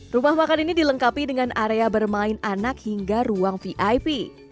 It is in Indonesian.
rumah makan ini dilengkapi dengan area bermain anak hingga ruang vip